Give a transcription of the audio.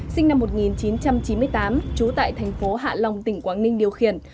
sinh năm một nghìn chín trăm chín mươi tám trú tại thành phố hạ long tỉnh quảng ninh điều khiển